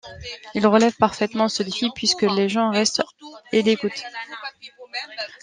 Il relève parfaitement ce défi puisque les gens restent et l'écoutent.